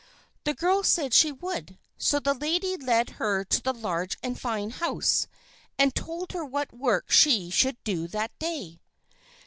The girl said she would, so the lady led her to the large and fine house and told her what work she should do that day.